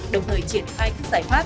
đồng thời triển khai các giải pháp